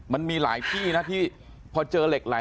มันมีหลายที่นะที่พอเจอเหล็กไหล